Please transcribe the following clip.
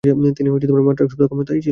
তিনি মাত্র একসপ্তাহ ক্ষমতায় ছিলেন।